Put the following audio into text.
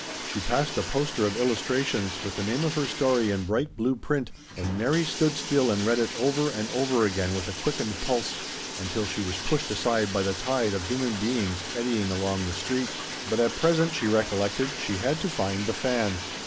She passed a poster of Illustrations, with the name of her story in bright blue print, and Mary stood still and read it over and over again with a quickened pulse, until she was pushed aside by the tide of human beings eddying along the street. But at present, she recollected, she had to find The Fan.